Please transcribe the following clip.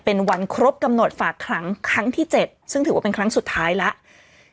เป็นวันครบกำหนดฝากขังครั้งที่๗ซึ่งถือว่าเป็นครั้งสุดท้ายแล้ว